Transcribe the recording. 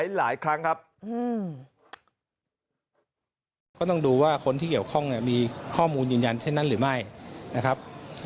หลายครั้งครับ